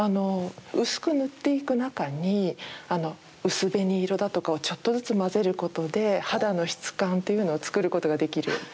薄く塗っていく中に薄紅色だとかをちょっとずつ混ぜることで肌の質感というのを作ることができる。